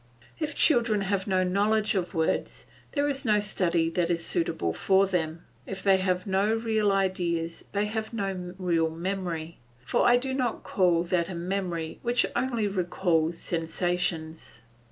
If children have no knowledge of words, there is no study that is suitable for them. If they have no real ideas they have no real memory, for I do not call that a memory which only recalls sensations.